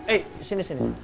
eh sini sini